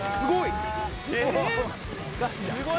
すごい！